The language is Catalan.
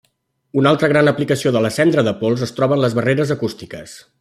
Una altra gran aplicació de la cendra de pols es troba en les barreres acústiques.